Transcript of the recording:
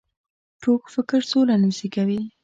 کوږ فکر سوله نه زېږوي